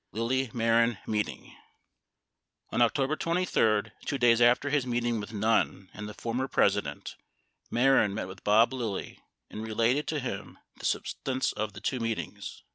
LILLY MEHREN MEETING On October 23, 2 days after his meetings with Nunn and the former President, Mehren met with Boh Lilly, and related to him the sub stance of the two meetings.